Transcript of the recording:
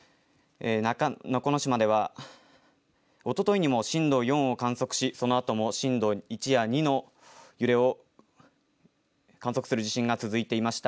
中之島では、おとといにも震度４を観測し、そのあとも震度１や２の揺れを観測する地震が続いていました。